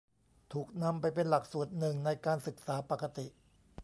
ถูกนำไปเป็นหลักสูตรหนึ่งในการศึกษาปกติ